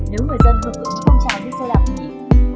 nếu người dân hưởng ứng không trả dịch xe đạp điện